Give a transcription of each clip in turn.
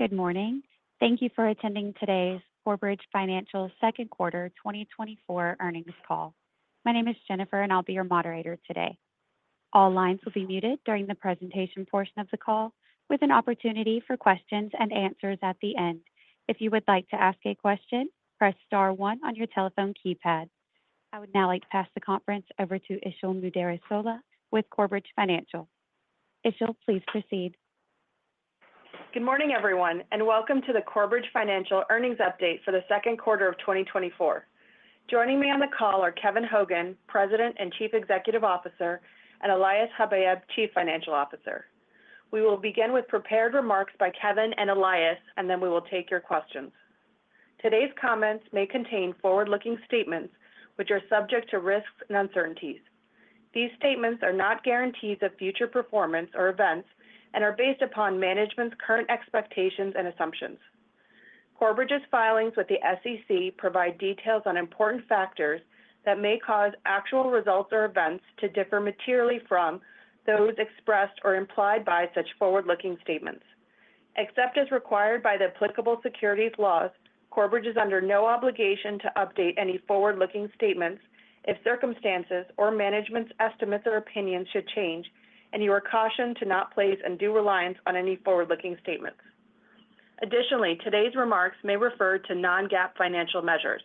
Good morning. Thank you for attending today's Corebridge Financial Second Quarter 2024 Earnings Call. My name is Jennifer, and I'll be your moderator today. All lines will be muted during the presentation portion of the call, with an opportunity for questions and answers at the end. If you would like to ask a question, press star one on your telephone keypad. I would now like to pass the conference over to Isil Muderrisoglu with Corebridge Financial. Isil, please proceed. Good morning, everyone, and welcome to the Corebridge Financial earnings update for the second quarter of 2024. Joining me on the call are Kevin Hogan, President and Chief Executive Officer, and Elias Habayeb, Chief Financial Officer. We will begin with prepared remarks by Kevin and Elias, and then we will take your questions. Today's comments may contain forward-looking statements, which are subject to risks and uncertainties. These statements are not guarantees of future performance or events and are based upon management's current expectations and assumptions. Corebridge's filings with the SEC provide details on important factors that may cause actual results or events to differ materially from those expressed or implied by such forward-looking statements. Except as required by the applicable securities laws, Corebridge is under no obligation to update any forward-looking statements if circumstances or management's estimates or opinions should change, and you are cautioned to not place undue reliance on any forward-looking statements. Additionally, today's remarks may refer to non-GAAP financial measures.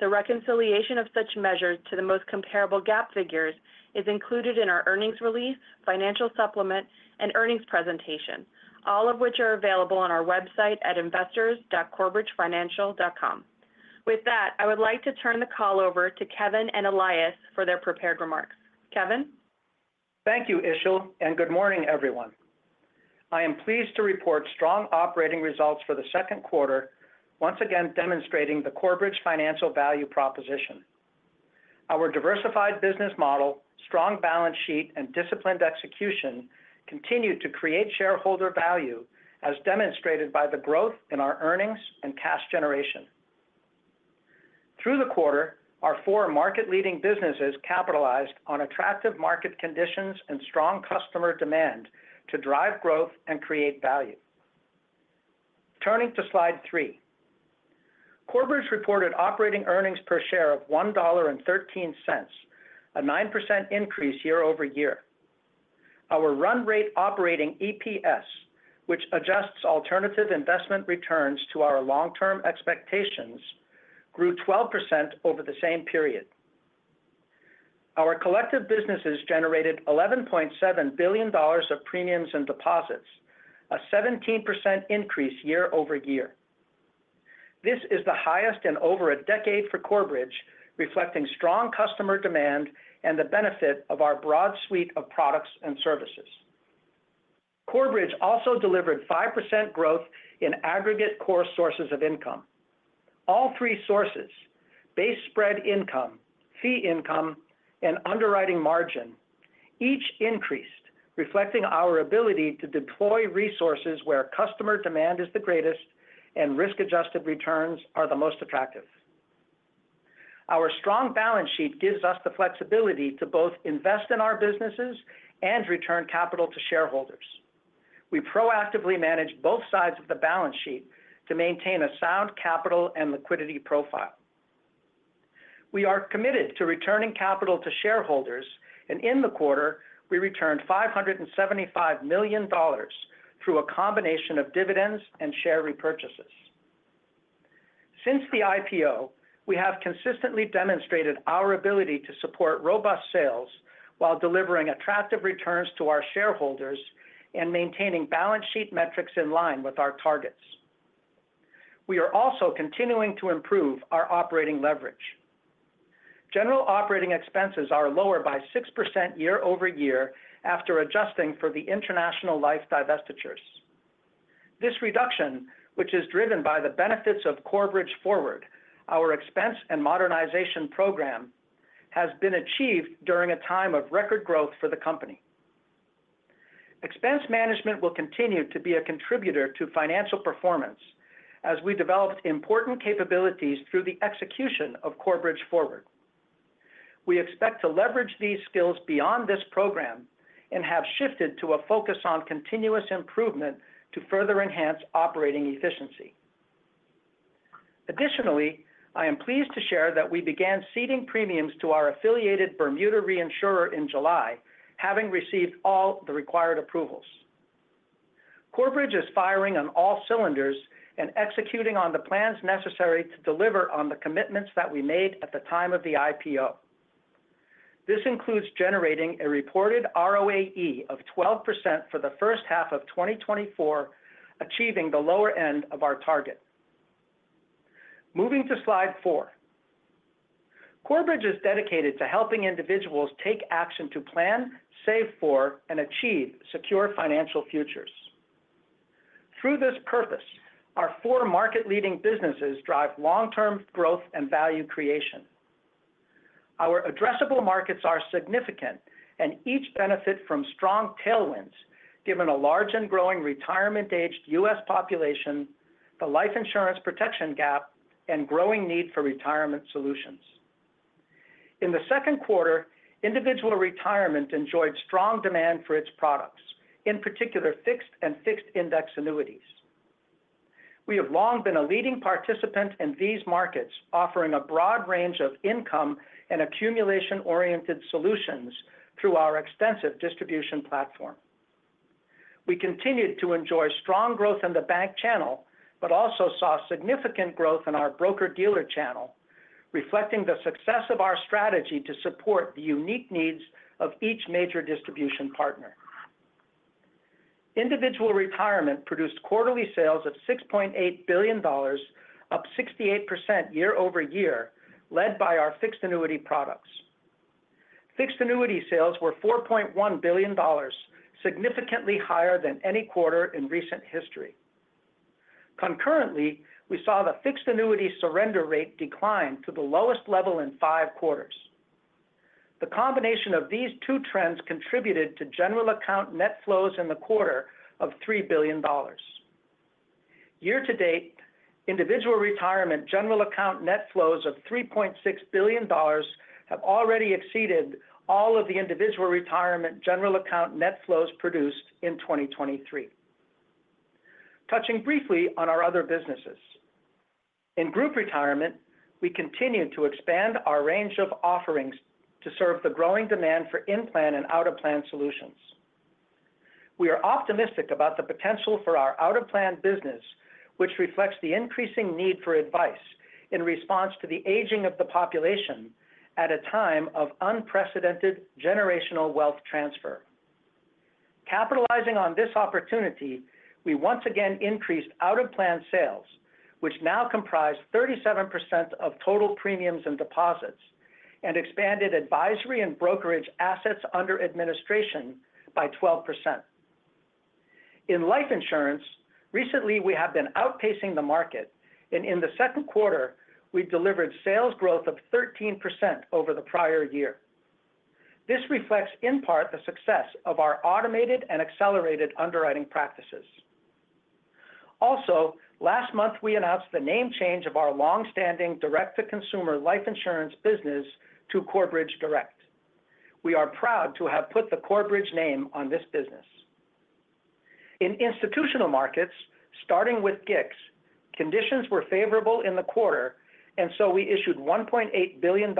The reconciliation of such measures to the most comparable GAAP figures is included in our earnings release, financial supplement and earnings presentation, all of which are available on our website at investors.corebridgefinancial.com. With that, I would like to turn the call over to Kevin and Elias for their prepared remarks. Kevin? Thank you, Isil, and good morning, everyone. I am pleased to report strong operating results for the second quarter, once again demonstrating the Corebridge Financial value proposition. Our diversified business model, strong balance sheet, and disciplined execution continued to create shareholder value, as demonstrated by the growth in our earnings and cash generation. Through the quarter, our four market-leading businesses capitalized on attractive market conditions and strong customer demand to drive growth and create value. Turning to Slide three. Corebridge reported operating earnings per share of $1.13, a 9% increase year-over-year. Our run rate operating EPS, which adjusts alternative investment returns to our long-term expectations, grew 12% over the same period. Our collective businesses generated $11.7 billion of premiums and deposits, a 17% increase year-over-year. This is the highest in over a decade for Corebridge, reflecting strong customer demand and the benefit of our broad suite of products and services. Corebridge also delivered 5% growth in aggregate core sources of income. All three sources, base spread income, fee income, and underwriting margin, each increased, reflecting our ability to deploy resources where customer demand is the greatest and risk-adjusted returns are the most attractive. Our strong balance sheet gives us the flexibility to both invest in our businesses and return capital to shareholders. We proactively manage both sides of the balance sheet to maintain a sound capital and liquidity profile. We are committed to returning capital to shareholders, and in the quarter, we returned $575 million through a combination of dividends and share repurchases. Since the IPO, we have consistently demonstrated our ability to support robust sales while delivering attractive returns to our shareholders and maintaining balance sheet metrics in line with our targets. We are also continuing to improve our operating leverage. General operating expenses are lower by 6% year-over-year after adjusting for the International Life divestitures. This reduction, which is driven by the benefits of Corebridge Forward, our expense and modernization program, has been achieved during a time of record growth for the company. Expense management will continue to be a contributor to financial performance as we developed important capabilities through the execution of Corebridge Forward. We expect to leverage these skills beyond this program and have shifted to a focus on continuous improvement to further enhance operating efficiency. Additionally, I am pleased to share that we began ceding premiums to our affiliated Bermuda reinsurer in July, having received all the required approvals. Corebridge is firing on all cylinders and executing on the plans necessary to deliver on the commitments that we made at the time of the IPO. This includes generating a reported ROAE of 12% for the first half of 2024, achieving the lower end of our target. Moving to Slide 4. Corebridge is dedicated to helping individuals take action to plan, save for, and achieve secure financial futures. Through this purpose, our four market-leading businesses drive long-term growth and value creation. Our addressable markets are significant and each benefit from strong tailwinds, given a large and growing retirement-aged U.S. population, the life insurance protection gap, and growing need for retirement solutions.... In the second quarter, Individual Retirement enjoyed strong demand for its products, in particular, fixed and fixed-index annuities. We have long been a leading participant in these markets, offering a broad range of income and accumulation-oriented solutions through our extensive distribution platform. We continued to enjoy strong growth in the bank channel, but also saw significant growth in our broker-dealer channel, reflecting the success of our strategy to support the unique needs of each major distribution partner. Individual Retirement produced quarterly sales of $6.8 billion, up 68% year-over-year, led by our fixed annuity products. Fixed annuity sales were $4.1 billion, significantly higher than any quarter in recent history. Concurrently, we saw the fixed annuity surrender rate decline to the lowest level in five quarters. The combination of these two trends contributed to general account net flows in the quarter of $3 billion. Year to date, individual retirement general account net flows of $3.6 billion have already exceeded all of the individual retirement general account net flows produced in 2023. Touching briefly on our other businesses. In group retirement, we continued to expand our range of offerings to serve the growing demand for in-plan and out-of-plan solutions. We are optimistic about the potential for our out-of-plan business, which reflects the increasing need for advice in response to the aging of the population at a time of unprecedented generational wealth transfer. Capitalizing on this opportunity, we once again increased out-of-plan sales, which now comprise 37% of total premiums and deposits, and expanded advisory and brokerage assets under administration by 12%. In life insurance, recently, we have been outpacing the market, and in the second quarter, we delivered sales growth of 13% over the prior year. This reflects, in part, the success of our automated and accelerated underwriting practices. Also, last month, we announced the name change of our long-standing direct-to-consumer life insurance business to Corebridge Direct. We are proud to have put the Corebridge name on this business. In institutional markets, starting with GICs, conditions were favorable in the quarter, and so we issued $1.8 billion,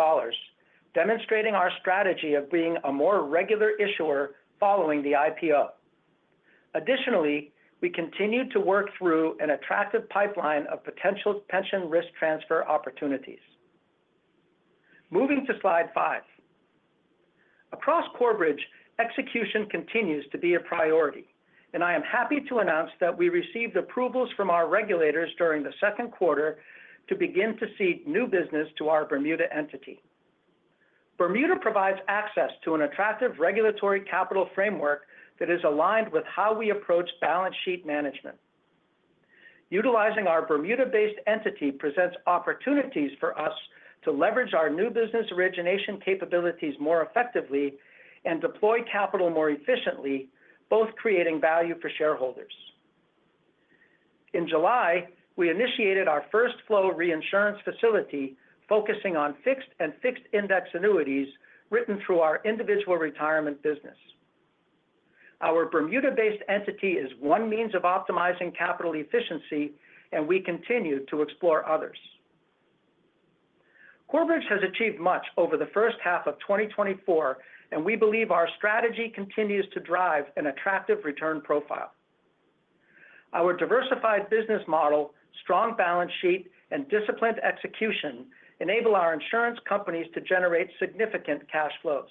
demonstrating our strategy of being a more regular issuer following the IPO. Additionally, we continued to work through an attractive pipeline of potential pension risk transfer opportunities. Moving to slide 5. Across Corebridge, execution continues to be a priority, and I am happy to announce that we received approvals from our regulators during the second quarter to begin to seek new business to our Bermuda entity. Bermuda provides access to an attractive regulatory capital framework that is aligned with how we approach balance sheet management. Utilizing our Bermuda-based entity presents opportunities for us to leverage our new business origination capabilities more effectively and deploy capital more efficiently, both creating value for shareholders. In July, we initiated our first flow reinsurance facility, focusing on fixed and fixed-index annuities written through our individual retirement business. Our Bermuda-based entity is one means of optimizing capital efficiency, and we continue to explore others. Corebridge has achieved much over the first half of 2024, and we believe our strategy continues to drive an attractive return profile. Our diversified business model, strong balance sheet, and disciplined execution enable our insurance companies to generate significant cash flows.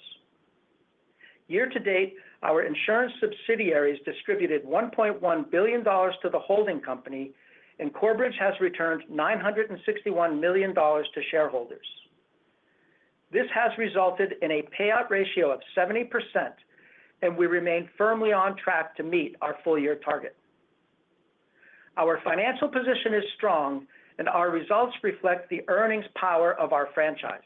Year to date, our insurance subsidiaries distributed $1.1 billion to the holding company, and Corebridge has returned $961 million to shareholders. This has resulted in a payout ratio of 70%, and we remain firmly on track to meet our full year target. Our financial position is strong, and our results reflect the earnings power of our franchise.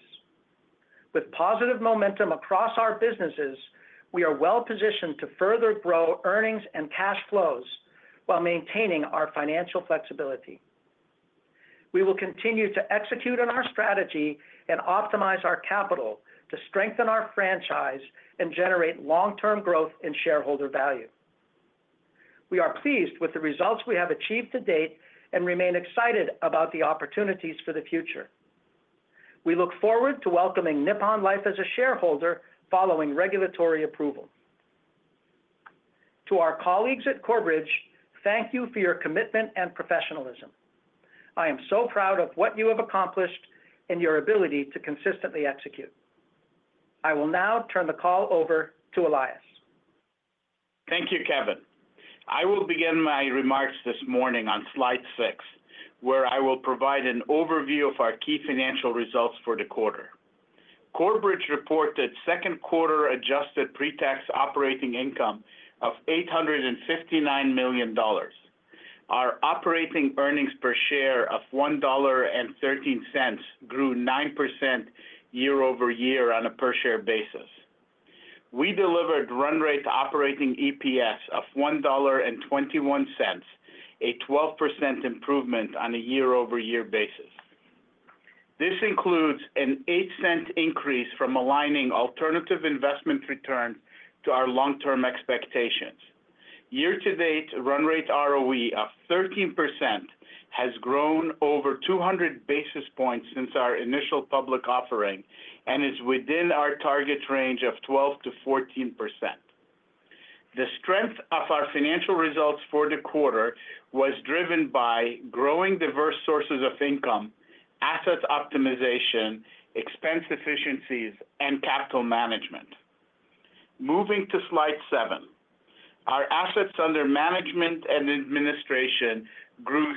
With positive momentum across our businesses, we are well positioned to further grow earnings and cash flows while maintaining our financial flexibility. We will continue to execute on our strategy and optimize our capital to strengthen our franchise and generate long-term growth and shareholder value. We are pleased with the results we have achieved to date and remain excited about the opportunities for the future. We look forward to welcoming Nippon Life as a shareholder following regulatory approval. To our colleagues at Corebridge, thank you for your commitment and professionalism. I am so proud of what you have accomplished and your ability to consistently execute. I will now turn the call over to Elias. Thank you, Kevin. I will begin my remarks this morning on slide 6, where I will provide an overview of our key financial results for the quarter. Corebridge reported second quarter adjusted pre-tax operating income of $859 million. Our operating earnings per share of $1.13 grew 9% year-over-year on a per share basis.... We delivered run rate operating EPS of $1.21, a 12% improvement on a year-over-year basis. This includes an 8-cent increase from aligning alternative investment return to our long-term expectations. Year-to-date, run rate ROE of 13% has grown over 200 basis points since our initial public offering and is within our target range of 12%-14%. The strength of our financial results for the quarter was driven by growing diverse sources of income, asset optimization, expense efficiencies, and capital management. Moving to slide 7. Our assets under management and administration grew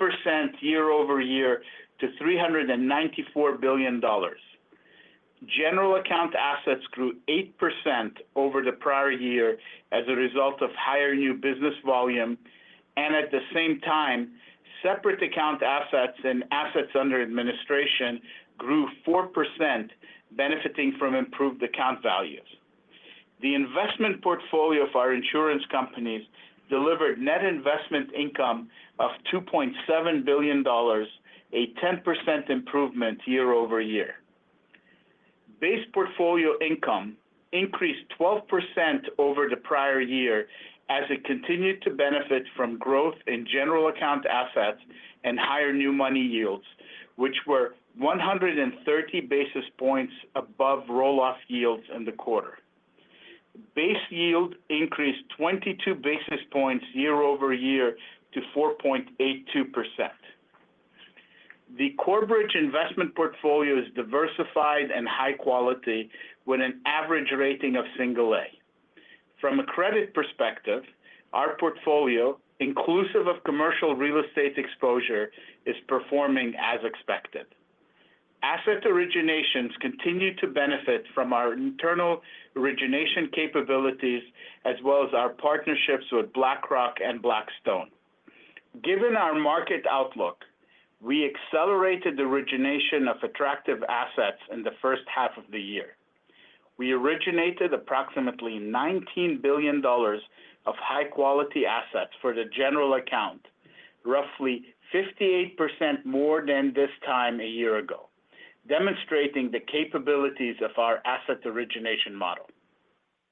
6% year-over-year to $394 billion. General account assets grew 8% over the prior year as a result of higher new business volume, and at the same time, separate account assets and assets under administration grew 4%, benefiting from improved account values. The investment portfolio of our insurance companies delivered net investment income of $2.7 billion, a 10% improvement year-over-year. Base portfolio income increased 12% over the prior year as it continued to benefit from growth in general account assets and higher new money yields, which were 130 basis points above roll-off yields in the quarter. Base yield increased 22 basis points year-over-year to 4.82%. The Corebridge investment portfolio is diversified and high quality, with an average rating of single-A. From a credit perspective, our portfolio, inclusive of commercial real estate exposure, is performing as expected. Asset originations continue to benefit from our internal origination capabilities, as well as our partnerships with BlackRock and Blackstone. Given our market outlook, we accelerated the origination of attractive assets in the first half of the year. We originated approximately $19 billion of high-quality assets for the general account, roughly 58% more than this time a year ago, demonstrating the capabilities of our asset origination model.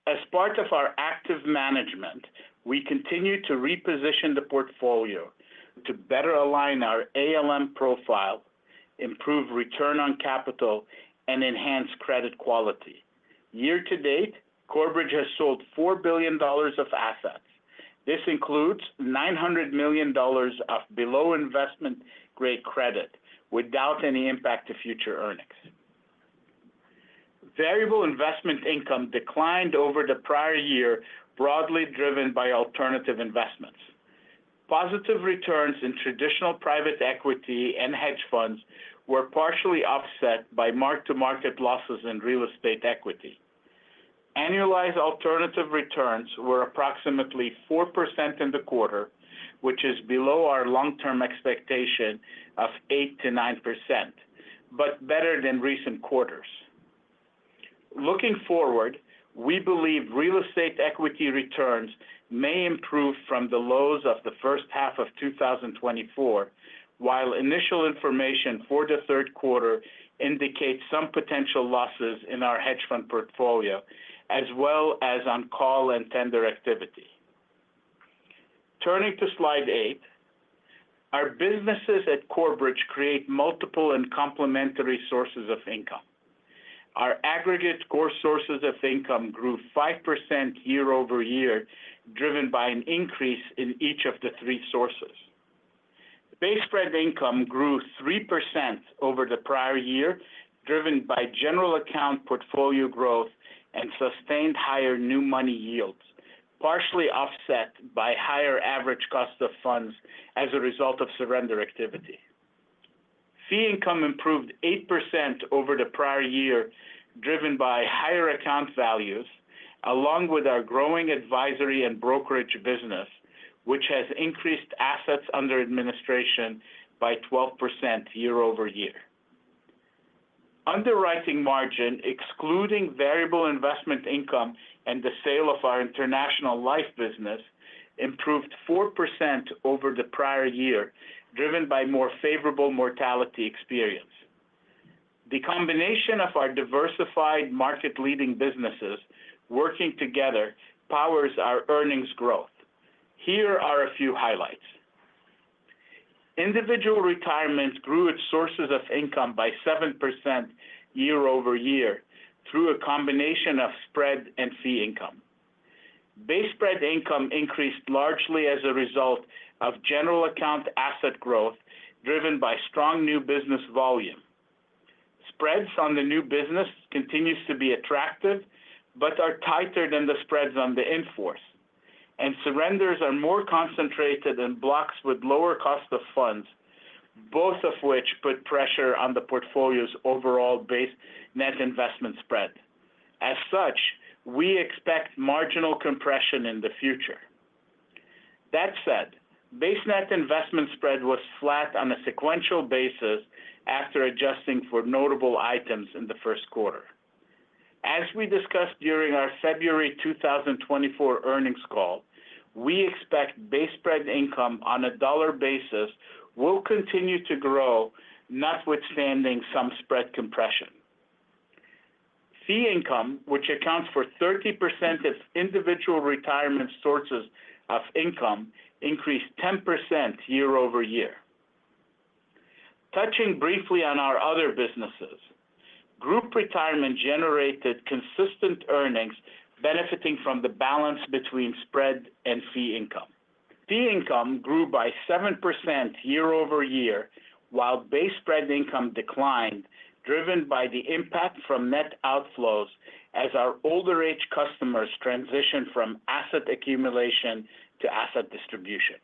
As part of our active management, we continue to reposition the portfolio to better align our ALM profile, improve return on capital, and enhance credit quality. Year to date, Corebridge has sold $4 billion of assets. This includes $900 million of below investment-grade credit, without any impact to future earnings. Variable investment income declined over the prior year, broadly driven by alternative investments. Positive returns in traditional private equity and hedge funds were partially offset by mark-to-market losses in real estate equity. Annualized alternative returns were approximately 4% in the quarter, which is below our long-term expectation of 8%-9%, but better than recent quarters. Looking forward, we believe real estate equity returns may improve from the lows of the first half of 2024, while initial information for the third quarter indicates some potential losses in our hedge fund portfolio, as well as on call and tender activity. Turning to slide 8, our businesses at Corebridge create multiple and complementary sources of income. Our aggregate core sources of income grew 5% year-over-year, driven by an increase in each of the three sources. Base spread income grew 3% over the prior year, driven by general account portfolio growth and sustained higher new money yields, partially offset by higher average cost of funds as a result of surrender activity. Fee income improved 8% over the prior year, driven by higher account values, along with our growing advisory and brokerage business, which has increased assets under administration by 12% year-over-year. Underwriting margin, excluding variable investment income and the sale of our international life business, improved 4% over the prior year, driven by more favorable mortality experience. The combination of our diversified market-leading businesses working together powers our earnings growth. Here are a few highlights. Individual Retirement grew its sources of income by 7% year-over-year through a combination of spread and fee income. Base spread income increased largely as a result of general account asset growth, driven by strong new business volume. Spreads on the new business continues to be attractive, but are tighter than the spreads on the in-force, and surrenders are more concentrated in blocks with lower cost of funds, both of which put pressure on the portfolio's overall base net investment spread. As such, we expect marginal compression in the future... That said, base net investment spread was flat on a sequential basis after adjusting for notable items in the first quarter. As we discussed during our February 2024 earnings call, we expect base spread income on a dollar basis will continue to grow, notwithstanding some spread compression. Fee income, which accounts for 30% of Individual Retirement sources of income, increased 10% year-over-year. Touching briefly on our other businesses, Group Retirement generated consistent earnings, benefiting from the balance between spread and fee income. Fee income grew by 7% year-over-year, while base spread income declined, driven by the impact from net outflows as our older-age customers transitioned from asset accumulation to asset distribution.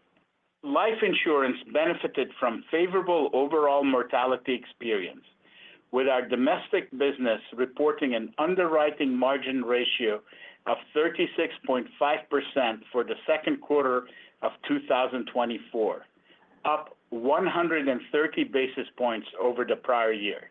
Life Insurance benefited from favorable overall mortality experience, with our domestic business reporting an underwriting margin ratio of 36.5% for the second quarter of 2024, up 130 basis points over the prior year.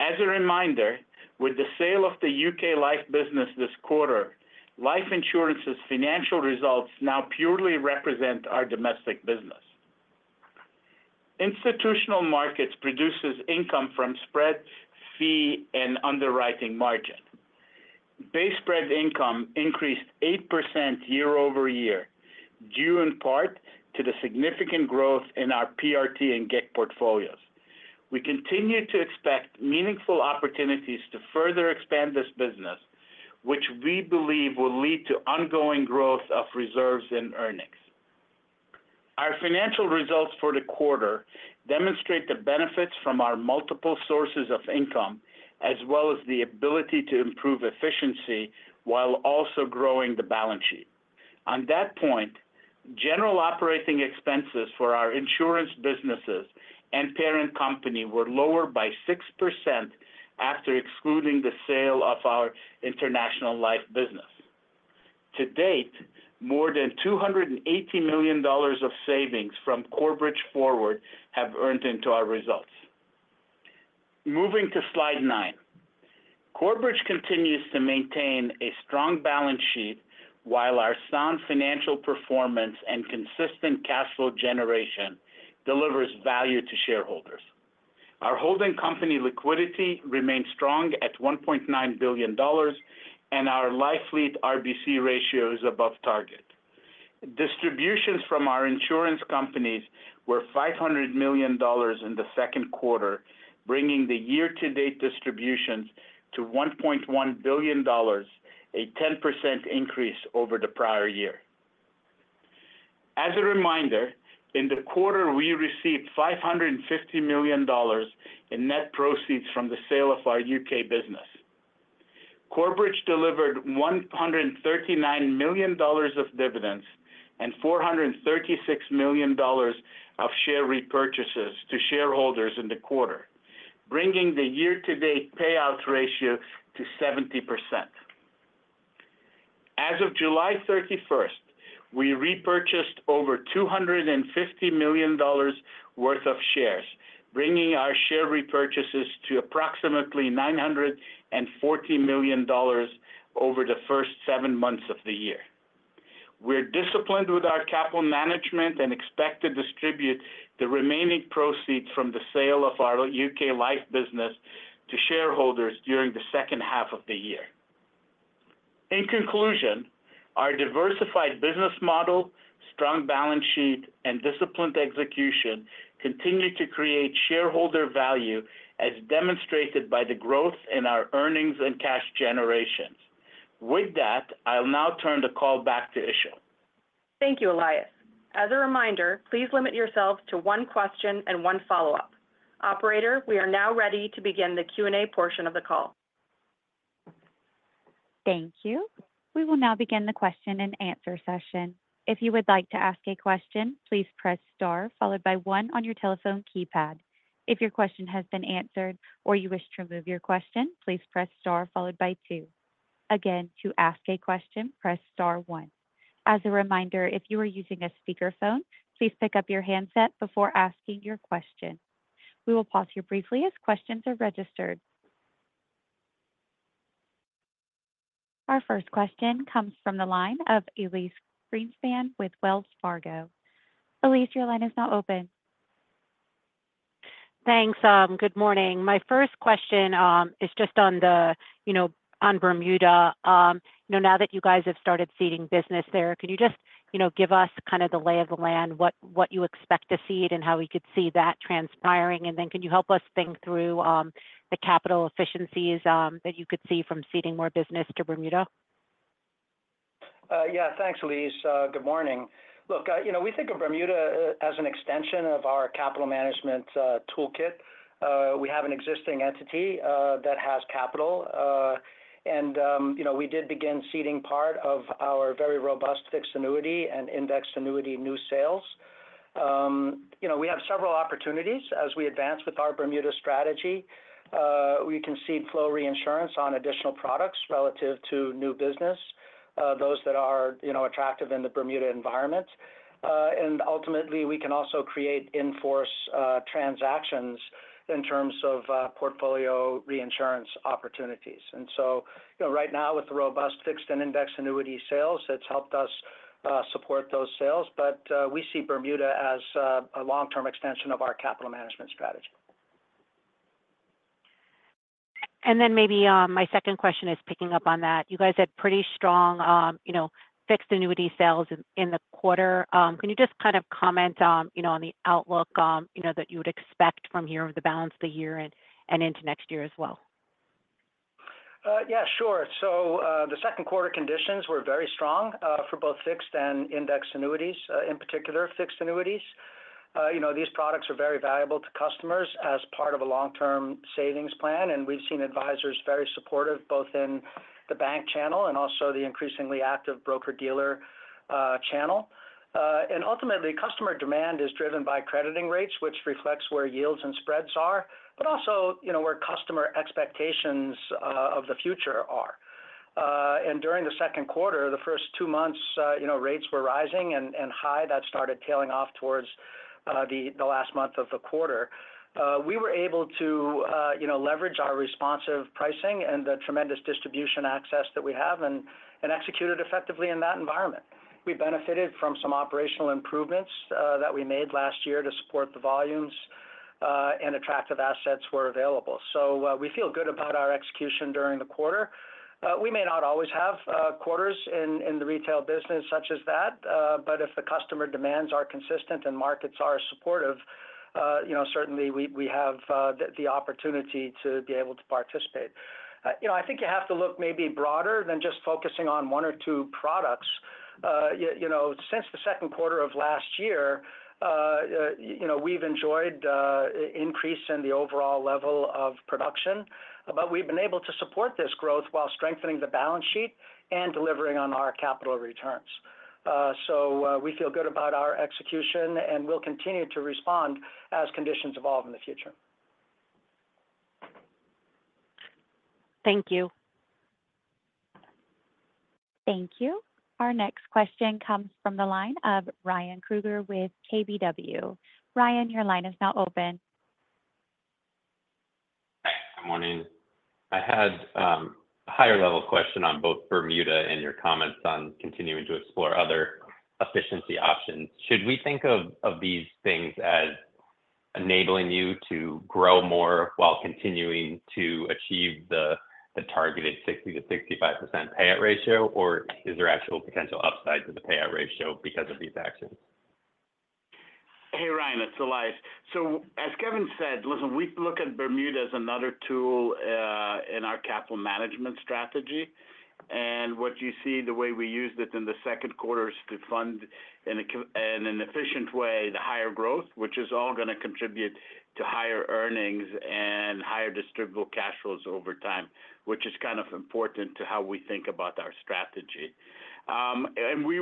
As a reminder, with the sale of the UK life business this quarter, Life Insurance's financial results now purely represent our domestic business. Institutional Markets produces income from spread, fee, and underwriting margin. Base spread income increased 8% year-over-year, due in part to the significant growth in our PRT and GIC portfolios. We continue to expect meaningful opportunities to further expand this business, which we believe will lead to ongoing growth of reserves and earnings. Our financial results for the quarter demonstrate the benefits from our multiple sources of income, as well as the ability to improve efficiency while also growing the balance sheet. On that point, general operating expenses for our insurance businesses and parent company were lower by 6% after excluding the sale of our international life business. To date, more than $280 million of savings from Corebridge Forward have earned into our results. Moving to slide 9. Corebridge continues to maintain a strong balance sheet, while our sound financial performance and consistent cash flow generation delivers value to shareholders. Our holding company liquidity remains strong at $1.9 billion, and our Life Fleet RBC ratio is above target. Distributions from our insurance companies were $500 million in the second quarter, bringing the year-to-date distributions to $1.1 billion, a 10% increase over the prior year. As a reminder, in the quarter, we received $550 million in net proceeds from the sale of our UK business. Corebridge delivered $139 million of dividends and $436 million of share repurchases to shareholders in the quarter, bringing the year-to-date payout ratio to 70%. As of July 31, we repurchased over $250 million worth of shares, bringing our share repurchases to approximately $940 million over the first seven months of the year. We're disciplined with our capital management and expect to distribute the remaining proceeds from the sale of our U.K. life business to shareholders during the second half of the year. In conclusion, our diversified business model, strong balance sheet, and disciplined execution continue to create shareholder value, as demonstrated by the growth in our earnings and cash generations. With that, I'll now turn the call back to Isil. Thank you, Elias. As a reminder, please limit yourself to one question and one follow-up. Operator, we are now ready to begin the Q&A portion of the call. Thank you. We will now begin the question-and-answer session. If you would like to ask a question, please press star followed by one on your telephone keypad. If your question has been answered or you wish to remove your question, please press star followed by two. Again, to ask a question, press star one. As a reminder, if you are using a speakerphone, please pick up your handset before asking your question. We will pause here briefly as questions are registered. Our first question comes from the line of Elyse Greenspan with Wells Fargo. Elyse, your line is now open. Thanks, good morning. My first question is just on the, you know, on Bermuda. You know, now that you guys have started ceding business there, could you just, you know, give us kind of the lay of the land, what you expect to cede and how we could see that transpiring? And then can you help us think through the capital efficiencies that you could see from ceding more business to Bermuda? Yeah. Thanks, Elyse. Good morning. Look, you know, we think of Bermuda as an extension of our capital management toolkit. We have an existing entity that has capital. You know, we did begin ceding part of our very robust fixed annuity and indexed annuity new sales.... you know, we have several opportunities as we advance with our Bermuda strategy. We can see flow reinsurance on additional products relative to new business, those that are, you know, attractive in the Bermuda environment. And ultimately, we can also create in-force transactions in terms of portfolio reinsurance opportunities. And so, you know, right now, with the robust fixed and indexed annuity sales, it's helped us support those sales. But we see Bermuda as a long-term extension of our capital management strategy. Then maybe my second question is picking up on that. You guys had pretty strong, you know, fixed annuity sales in the quarter. Can you just kind of comment on, you know, on the outlook, you know, that you would expect from here over the balance of the year and into next year as well? Yeah, sure. So, the second quarter conditions were very strong for both fixed and indexed annuities, in particular, fixed annuities. You know, these products are very valuable to customers as part of a long-term savings plan, and we've seen advisors very supportive, both in the bank channel and also the increasingly active broker-dealer channel. And ultimately, customer demand is driven by crediting rates, which reflects where yields and spreads are, but also, you know, where customer expectations of the future are. And during the second quarter, the first two months, you know, rates were rising and high. That started tailing off towards the last month of the quarter. We were able to, you know, leverage our responsive pricing and the tremendous distribution access that we have and execute it effectively in that environment. We benefited from some operational improvements that we made last year to support the volumes, and attractive assets were available. So, we feel good about our execution during the quarter. We may not always have quarters in the retail business such as that, but if the customer demands are consistent and markets are supportive, you know, certainly we have the opportunity to be able to participate. You know, I think you have to look maybe broader than just focusing on one or two products. You know, since the second quarter of last year, you know, we've enjoyed increase in the overall level of production, but we've been able to support this growth while strengthening the balance sheet and delivering on our capital returns. So, we feel good about our execution, and we'll continue to respond as conditions evolve in the future. Thank you. Thank you. Our next question comes from the line of Ryan Krueger with KBW. Ryan, your line is now open. Hi, good morning. I had a higher level question on both Bermuda and your comments on continuing to explore other efficiency options. Should we think of these things as enabling you to grow more while continuing to achieve the targeted 60%-65% payout ratio, or is there actual potential upside to the payout ratio because of these actions? Hey, Ryan, it's Elias. So as Kevin said, listen, we look at Bermuda as another tool in our capital management strategy. And what you see, the way we used it in the second quarter, is to fund in an efficient way the higher growth, which is all going to contribute to higher earnings and higher distributable cash flows over time, which is kind of important to how we think about our strategy. And we've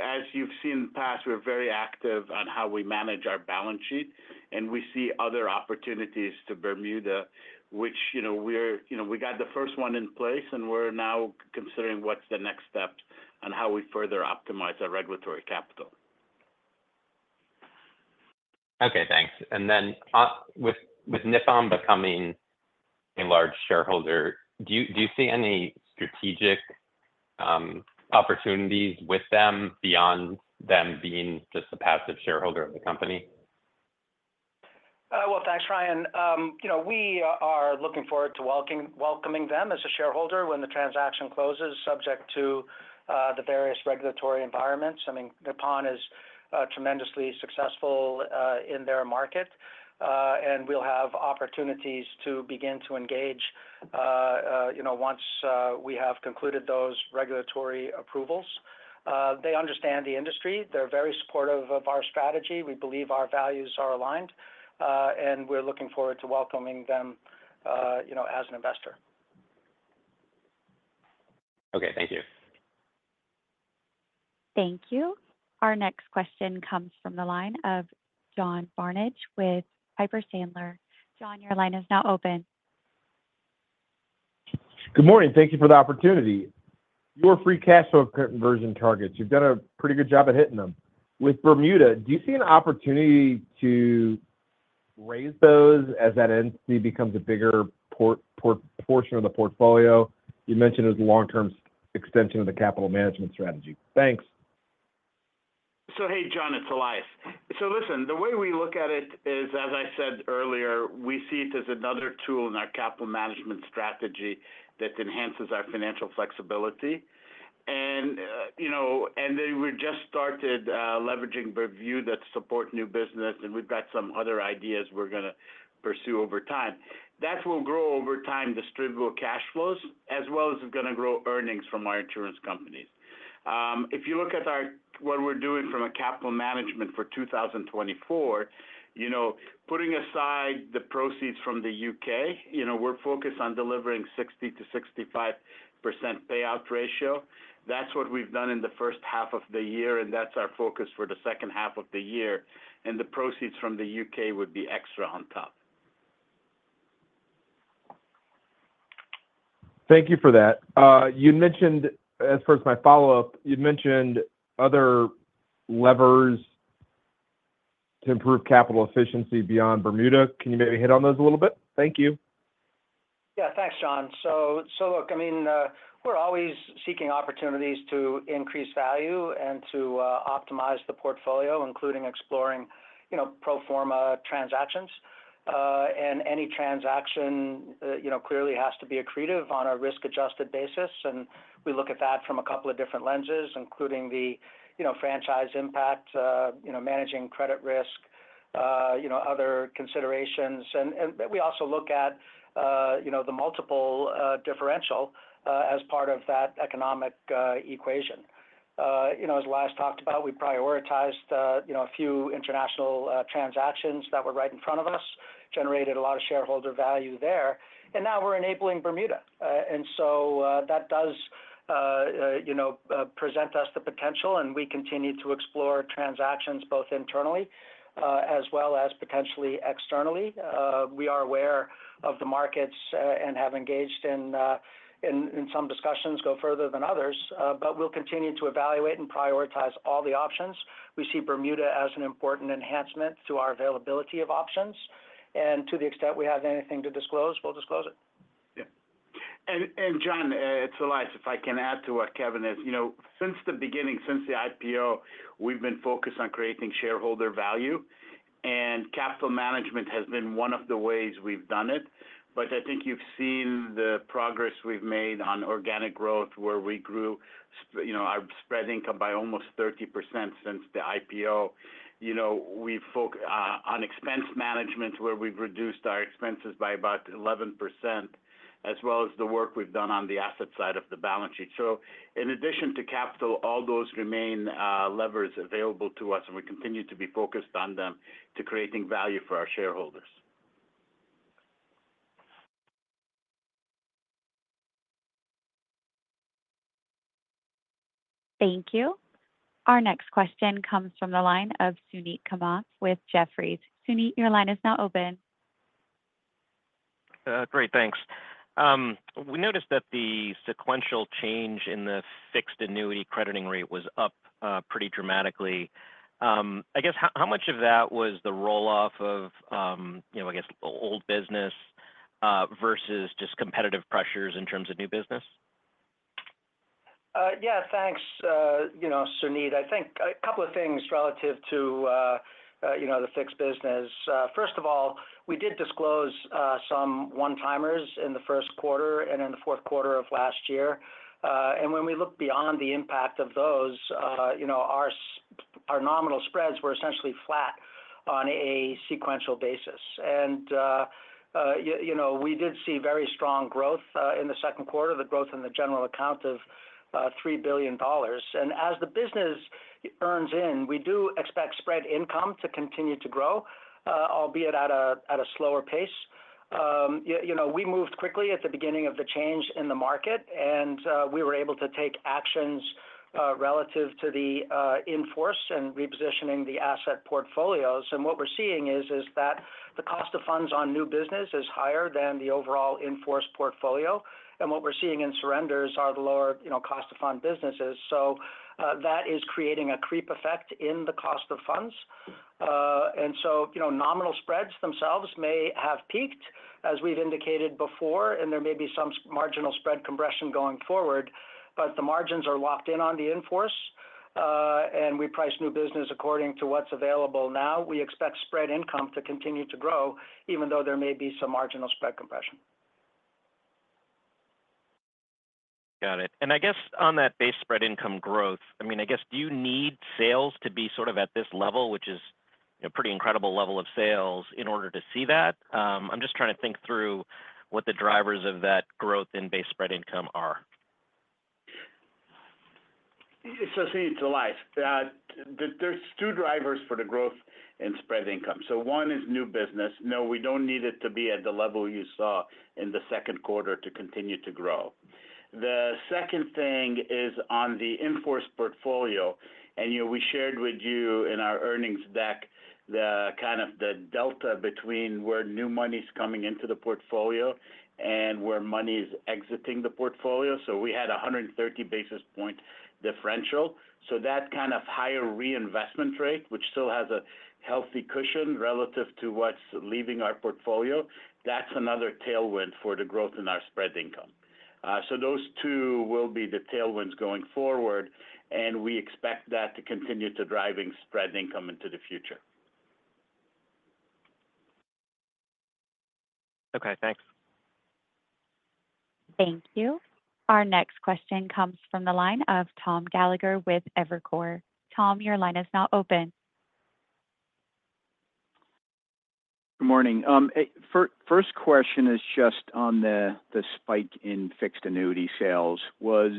-- as you've seen in the past, we're very active on how we manage our balance sheet, and we see other opportunities to Bermuda, which, you know, we're... You know, we got the first one in place, and we're now considering what's the next step on how we further optimize our regulatory capital. Okay, thanks. And then, with Nippon becoming a large shareholder, do you see any strategic opportunities with them beyond them being just a passive shareholder of the company? Well, thanks, Ryan. You know, we are looking forward to welcoming them as a shareholder when the transaction closes, subject to the various regulatory environments. I mean, Nippon is tremendously successful in their market, and we'll have opportunities to begin to engage, you know, once we have concluded those regulatory approvals. They understand the industry. They're very supportive of our strategy. We believe our values are aligned, and we're looking forward to welcoming them, you know, as an investor. Okay, thank you. Thank you. Our next question comes from the line of John Barnidge with Piper Sandler. John, your line is now open. Good morning. Thank you for the opportunity. Your free cash flow conversion targets, you've done a pretty good job at hitting them. With Bermuda, do you see an opportunity to raise those as that entity becomes a bigger portion of the portfolio? You mentioned it as a long-term extension of the capital management strategy. Thanks. So, hey, John, it's Elias. So listen, the way we look at it is, as I said earlier, we see it as another tool in our capital management strategy that enhances our financial flexibility. And, you know, and then we just started leveraging reinsurance that support new business, and we've got some other ideas we're going to pursue over time. That will grow over time distributable cash flows, as well as is going to grow earnings from our insurance companies. If you look at our, what we're doing from a capital management for 2024, you know, putting aside the proceeds from the UK, you know, we're focused on delivering 60%-65% payout ratio. That's what we've done in the first half of the year, and that's our focus for the second half of the year, and the proceeds from the UK would be extra on top. Thank you for that. You mentioned... As far as my follow-up, you'd mentioned other levers to improve capital efficiency beyond Bermuda. Can you maybe hit on those a little bit? Thank you. Yeah, thanks, John. So look, I mean, we're always seeking opportunities to increase value and to optimize the portfolio, including exploring, you know, pro forma transactions. And any transaction, you know, clearly has to be accretive on a risk-adjusted basis, and we look at that from a couple of different lenses, including the, you know, franchise impact, you know, managing credit risk, you know, other considerations. And but we also look at, you know, the multiple, differential, as part of that economic, equation. You know, as Elias talked about, we prioritized, you know, a few international, transactions that were right in front of us, generated a lot of shareholder value there, and now we're enabling Bermuda. And so, that does, you know, present us the potential, and we continue to explore transactions both internally, as well as potentially externally. We are aware of the markets, and have engaged in some discussions, go further than others, but we'll continue to evaluate and prioritize all the options. We see Bermuda as an important enhancement to our availability of options, and to the extent we have anything to disclose, we'll disclose it. Yeah. And John, it's Elias. If I can add to what Kevin is, you know, since the beginning, since the IPO, we've been focused on creating shareholder value, and capital management has been one of the ways we've done it. But I think you've seen the progress we've made on organic growth, where we grew, you know, our spread income by almost 30% since the IPO. You know, we focus on expense management, where we've reduced our expenses by about 11%, as well as the work we've done on the asset side of the balance sheet. So in addition to capital, all those remain levers available to us, and we continue to be focused on them to creating value for our shareholders. Thank you. Our next question comes from the line of Suneet Kamath with Jefferies. Suneet, your line is now open. Great, thanks. We noticed that the sequential change in the fixed annuity crediting rate was up pretty dramatically. I guess, how much of that was the roll-off of, you know, I guess, old business versus just competitive pressures in terms of new business? Yeah, thanks, you know, Suneet. I think a couple of things relative to, you know, the fixed business. First of all, we did disclose some one-timers in the first quarter and in the fourth quarter of last year. And when we look beyond the impact of those, you know, our nominal spreads were essentially flat on a sequential basis. And you know, we did see very strong growth in the second quarter, the growth in the general account of $3 billion. And as the business earns in, we do expect spread income to continue to grow, albeit at a slower pace. You know, we moved quickly at the beginning of the change in the market, and we were able to take actions relative to the in-force and repositioning the asset portfolios. And what we're seeing is that the cost of funds on new business is higher than the overall in-force portfolio, and what we're seeing in surrenders are the lower, you know, cost of fund businesses. So, that is creating a creep effect in the cost of funds. And so, you know, nominal spreads themselves may have peaked, as we've indicated before, and there may be some marginal spread compression going forward, but the margins are locked in on the in-force, and we price new business according to what's available now. We expect spread income to continue to grow, even though there may be some marginal spread compression. Got it. And I guess on that base spread income growth, I mean, I guess, do you need sales to be sort of at this level, which is a pretty incredible level of sales, in order to see that? I'm just trying to think through what the drivers of that growth in base spread income are. Suneet, it's Elias. There's two drivers for the growth in spread income. So one is new business. No, we don't need it to be at the level you saw in the second quarter to continue to grow. The second thing is on the in-force portfolio, and, you know, we shared with you in our earnings deck, the kind of delta between where new money's coming into the portfolio and where money is exiting the portfolio. So we had a 130 basis point differential. So that kind of higher reinvestment rate, which still has a healthy cushion relative to what's leaving our portfolio, that's another tailwind for the growth in our spread income. So those two will be the tailwinds going forward, and we expect that to continue to driving spread income into the future. Okay, thanks. Thank you. Our next question comes from the line of Tom Gallagher with Evercore. Tom, your line is now open. Good morning. First question is just on the spike in fixed annuity sales. Was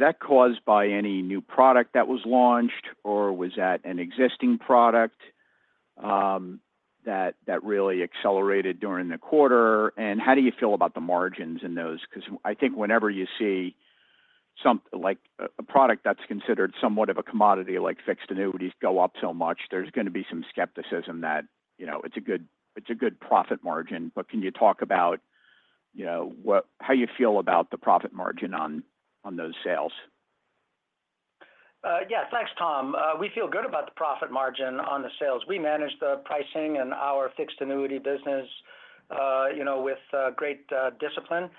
that caused by any new product that was launched, or was that an existing product that really accelerated during the quarter? And how do you feel about the margins in those? Because I think whenever you see some, like, a product that's considered somewhat of a commodity, like fixed annuities go up so much, there's gonna be some skepticism that, you know, it's a good, it's a good profit margin. But can you talk about, you know, how you feel about the profit margin on those sales? Yeah, thanks, Tom. We feel good about the profit margin on the sales. We manage the pricing and our fixed annuity business, you know, with great discipline.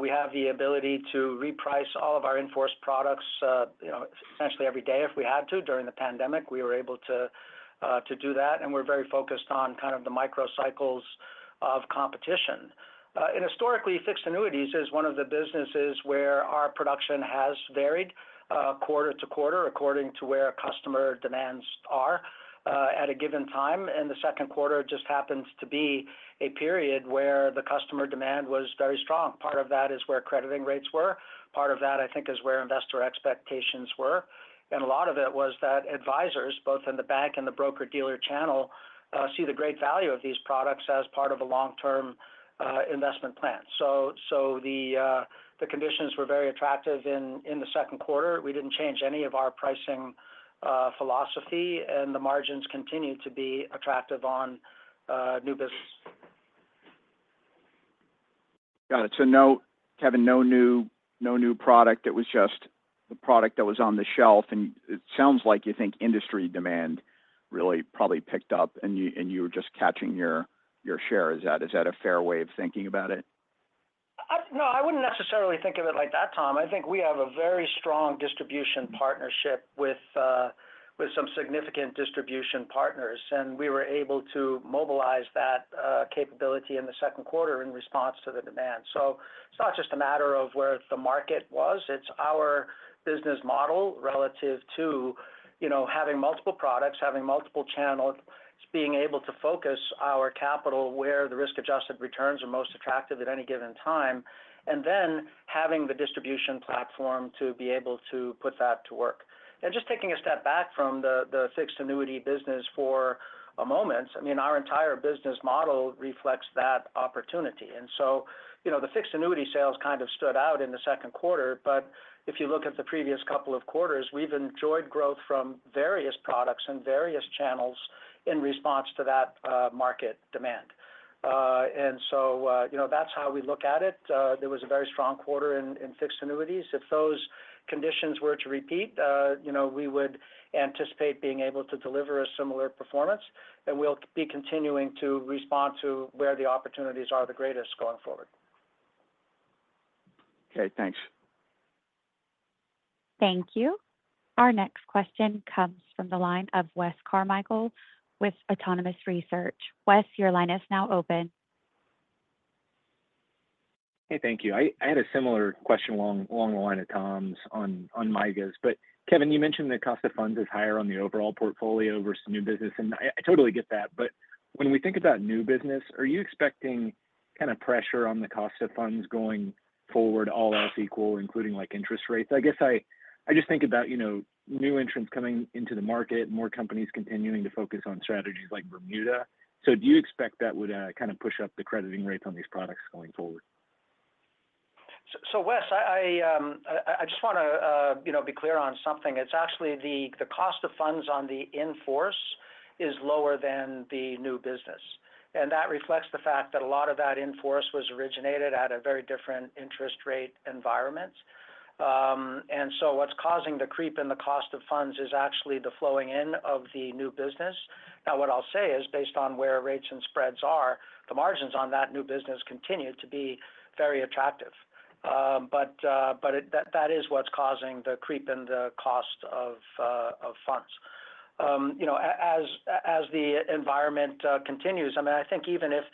We have the ability to reprice all of our in-force products, you know, essentially every day if we had to. During the pandemic, we were able to do that, and we're very focused on kind of the micro cycles of competition. Historically, fixed annuities is one of the businesses where our production has varied quarter to quarter, according to where customer demands are at a given time. The second quarter just happens to be a period where the customer demand was very strong. Part of that is where crediting rates were, part of that, I think, is where investor expectations were. And a lot of it was that advisors, both in the bank and the broker-dealer channel, see the great value of these products as part of a long-term investment plan. So the conditions were very attractive in the second quarter. We didn't change any of our pricing philosophy, and the margins continued to be attractive on new bus- Got it. So no, Kevin, no new product. It was just the product that was on the shelf, and it sounds like you think industry demand really probably picked up, and you were just catching your share. Is that a fair way of thinking about it? No, I wouldn't necessarily think of it like that, Tom. I think we have a very strong distribution partnership with some significant distribution partners, and we were able to mobilize that capability in the second quarter in response to the demand. So it's not just a matter of where the market was, it's our business model relative to, you know, having multiple products, having multiple channels, it's being able to focus our capital where the risk-adjusted returns are most attractive at any given time, and then having the distribution platform to be able to put that to work. And just taking a step back from the fixed annuity business for a moment, I mean, our entire business model reflects that opportunity. And so, you know, the fixed annuity sales kind of stood out in the second quarter, but if you look at the previous couple of quarters, we've enjoyed growth from various products and various channels in response to that, market demand. And so, you know, that's how we look at it. There was a very strong quarter in fixed annuities. If those conditions were to repeat, you know, we would anticipate being able to deliver a similar performance, and we'll be continuing to respond to where the opportunities are the greatest going forward. Okay, thanks. Thank you. Our next question comes from the line of Wes Carmichael with Autonomous Research. Wes, your line is now open. Hey, thank you. I had a similar question along the line of Tom's on MYGAs. But Kevin, you mentioned the cost of funds is higher on the overall portfolio versus new business, and I totally get that. But when we think about new business, are you expecting kind of pressure on the cost of funds going forward, all else equal, including, like, interest rates? I guess I just think about, you know, new entrants coming into the market, more companies continuing to focus on strategies like Bermuda. So do you expect that would kind of push up the crediting rates on these products going forward? So Wes, I just wanna, you know, be clear on something. It's actually the cost of funds on the in-force is lower than the new business, and that reflects the fact that a lot of that in-force was originated at a very different interest rate environment. And so what's causing the creep in the cost of funds is actually the flowing in of the new business. Now, what I'll say is, based on where rates and spreads are, the margins on that new business continue to be very attractive. But it, that is what's causing the creep in the cost of funds. You know, as the environment continues, I mean, I think even if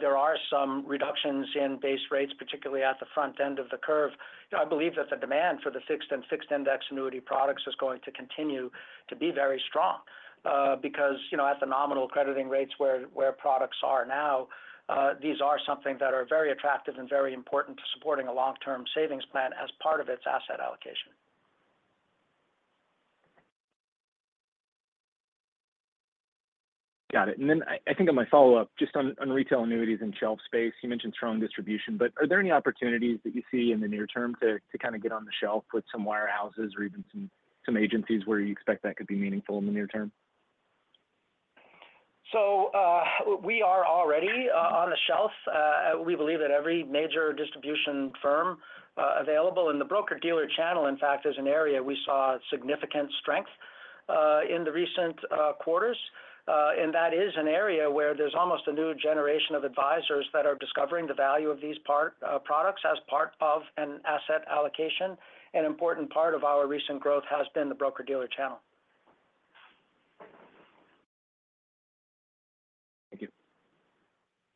there are some reductions in base rates, particularly at the front end of the curve, you know, I believe that the demand for the fixed and fixed index annuity products is going to continue to be very strong. Because, you know, at the nominal crediting rates where products are now, these are something that are very attractive and very important to supporting a long-term savings plan as part of its asset allocation. Got it. And then I think on my follow-up, just on retail annuities and shelf space, you mentioned strong distribution, but are there any opportunities that you see in the near term to kind of get on the shelf with some wirehouses or even some agencies where you expect that could be meaningful in the near term? So, we are already on the shelf. We believe that every major distribution firm available in the broker-dealer channel, in fact, is an area we saw significant strength in the recent quarters. And that is an area where there's almost a new generation of advisors that are discovering the value of these products as part of an asset allocation. An important part of our recent growth has been the broker-dealer channel. Thank you.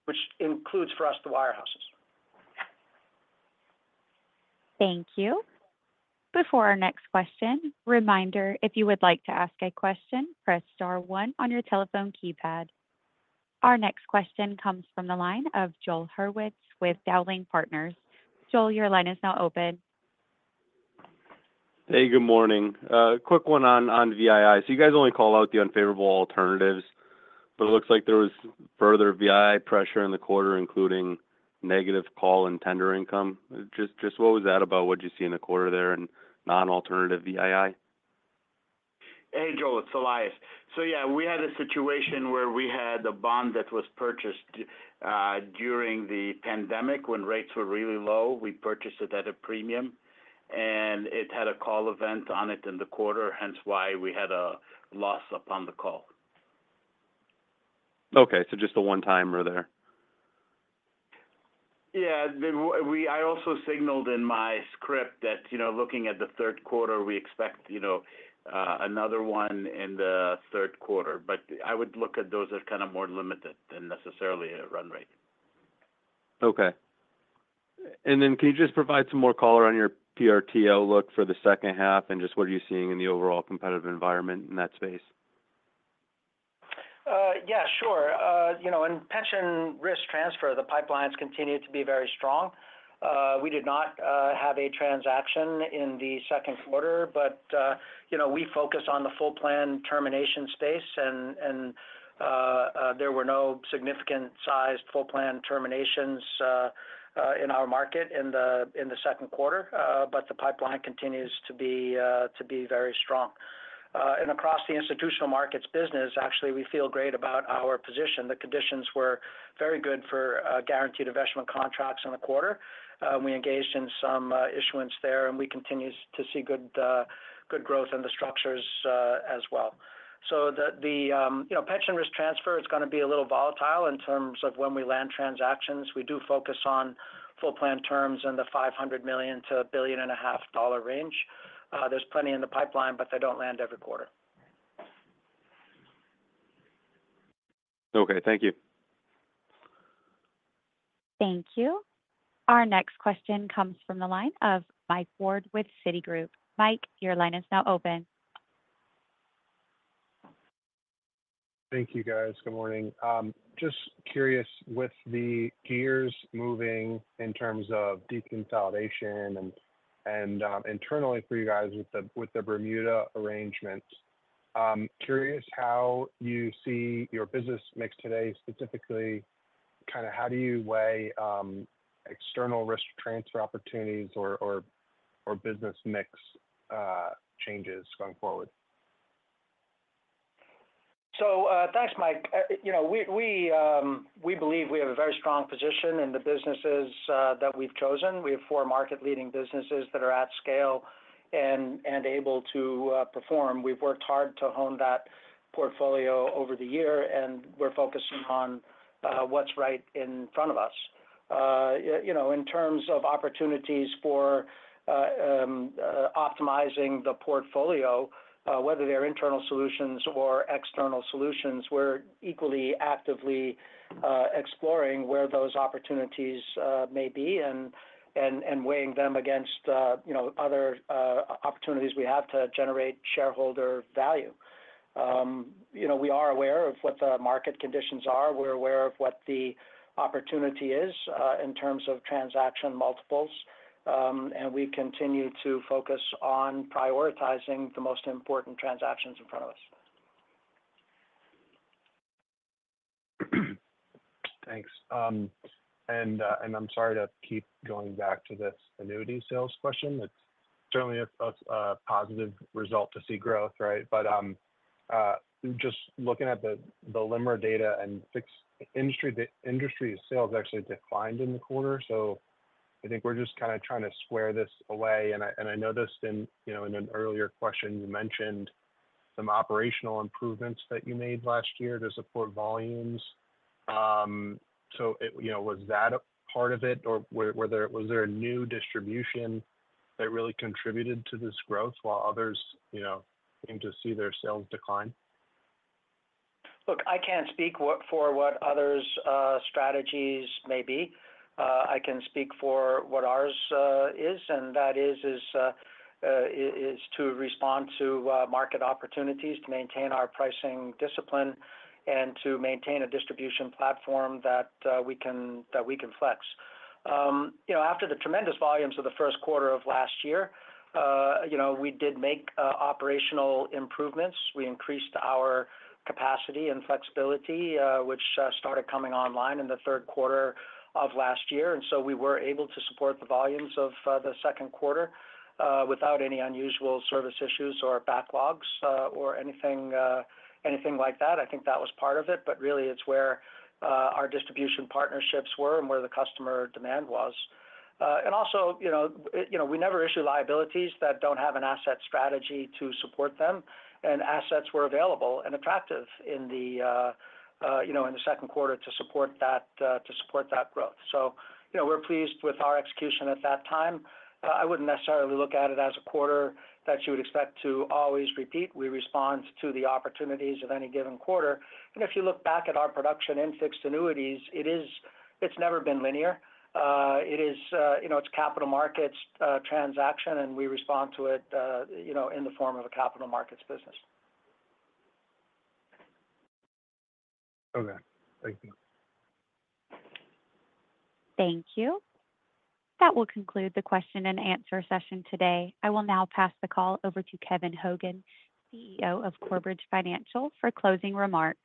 Which includes, for us, the wirehouses. Thank you. Before our next question, reminder, if you would like to ask a question, press star one on your telephone keypad. Our next question comes from the line of Joel Hurwitz with Dowling Partners. Joel, your line is now open. Hey, good morning. Quick one on VII. So you guys only call out the unfavorable alternatives, but it looks like there was further VII pressure in the quarter, including negative call and tender income. Just what was that about? What'd you see in the quarter there in non-alternative VII? Hey, Joe, it's Elias. So yeah, we had a situation where we had a bond that was purchased during the pandemic when rates were really low. We purchased it at a premium, and it had a call event on it in the quarter, hence why we had a loss upon the call. Okay, so just a one-timer there? Yeah. We also signaled in my script that, you know, looking at the third quarter, we expect, you know, another one in the third quarter, but I would look at those as kind of more limited than necessarily a run rate. Okay. And then can you just provide some more color on your PRT look for the second half, and just what are you seeing in the overall competitive environment in that space? Yeah, sure. You know, in pension risk transfer, the pipelines continued to be very strong. We did not have a transaction in the second quarter, but you know, we focus on the full plan termination space and there were no significant sized full plan terminations in our market in the second quarter. But the pipeline continues to be very strong. And across the institutional markets business, actually, we feel great about our position. The conditions were very good for guaranteed investment contracts in the quarter. We engaged in some issuance there, and we continue to see good growth in the structures as well. So the you know, pension risk transfer is going to be a little volatile in terms of when we land transactions. We do focus on full plan terms in the $500 million-$1.5 billion dollar range. There's plenty in the pipeline, but they don't land every quarter. Okay, thank you. Thank you. Our next question comes from the line of Mike Ward with Citigroup. Mike, your line is now open. Thank you, guys. Good morning. Just curious, with the gears moving in terms of deconsolidation and internally for you guys with the Bermuda arrangements, I'm curious how you see your business mix today, specifically, kind of how do you weigh external risk transfer opportunities or business mix changes going forward? So, thanks, Mike. You know, we believe we have a very strong position in the businesses that we've chosen. We have four market-leading businesses that are at scale and able to perform. We've worked hard to hone that portfolio over the year, and we're focusing on what's right in front of us. You know, in terms of opportunities for optimizing the portfolio, whether they're internal solutions or external solutions, we're equally actively exploring where those opportunities may be and weighing them against you know, other opportunities we have to generate shareholder value. You know, we are aware of what the market conditions are. We're aware of what the opportunity is, in terms of transaction multiples, and we continue to focus on prioritizing the most important transactions in front of us. Thanks. I'm sorry to keep going back to this annuity sales question. It's certainly a positive result to see growth, right? But just looking at the LIMRA data and fixed annuity industry, the industry sales actually declined in the quarter. So I think we're just kind of trying to square this away. I noticed, you know, in an earlier question, you mentioned some operational improvements that you made last year to support volumes. You know, was that a part of it, or was there a new distribution that really contributed to this growth while others, you know, seemed to see their sales decline? Look, I can't speak for what others' strategies may be. I can speak for what ours is, and that is to respond to market opportunities, to maintain our pricing discipline, and to maintain a distribution platform that we can flex. You know, after the tremendous volumes of the first quarter of last year, you know, we did make operational improvements. We increased our capacity and flexibility, which started coming online in the third quarter of last year. And so we were able to support the volumes of the second quarter without any unusual service issues or backlogs or anything like that. I think that was part of it. But really, it's where our distribution partnerships were and where the customer demand was. And also, you know, you know, we never issue liabilities that don't have an asset strategy to support them, and assets were available and attractive in the, you know, in the second quarter to support that, to support that growth. So, you know, we're pleased with our execution at that time. I wouldn't necessarily look at it as a quarter that you would expect to always repeat. We respond to the opportunities of any given quarter. And if you look back at our production in fixed annuities, it is—it's never been linear. It is, you know, it's capital markets, transaction, and we respond to it, you know, in the form of a capital markets business. Okay. Thank you. Thank you. That will conclude the question and answer session today. I will now pass the call over to Kevin Hogan, CEO of Corebridge Financial, for closing remarks.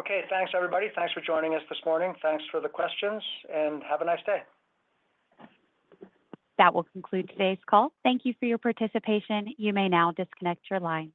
Okay, thanks, everybody. Thanks for joining us this morning. Thanks for the questions, and have a nice day. That will conclude today's call. Thank you for your participation. You may now disconnect your line.